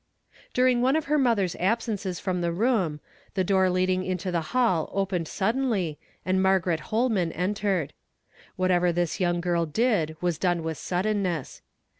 During one of the mother's absences from the room, the door leading into the hall opened sud i! i 10 Vesterday framed in a:o t>AY. denly, and Margaret Holman entered. Whatever this young girl did was done with suddenness.